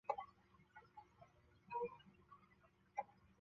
卢嫩堡是位于美国阿肯色州伊泽德县的一个非建制地区。